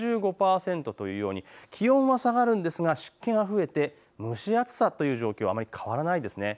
６５％というように気温は下がるんですが湿気が増えて蒸し暑さという状況はあまり変わらないです。